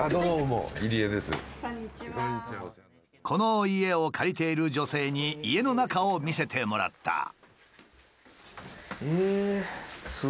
この家を借りている女性に家の中を見せてもらった。